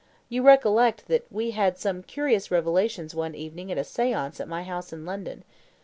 You recollect that we had some curious revelations one evening at a seance at my house in London.